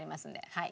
はい。